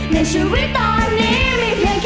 ในชีวิตตอนนี้มีแค่เธอยังเธอ